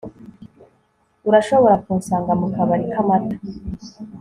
urashobora kunsanga mu kabari k'amata